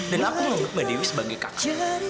dan aku ngagep mbak dewi sebagai kakak